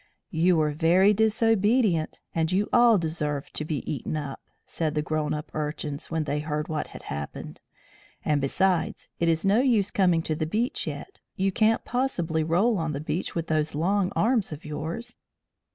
"You were very disobedient, and you all deserved to be eaten up," said the grown up Urchins when they heard what had happened. "And besides, it is no use coming to the beach yet. You can't possibly roll on the beach with those long arms of yours."